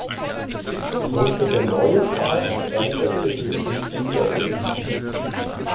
Unter dem neuen Papst änderte sich für Guido nichts.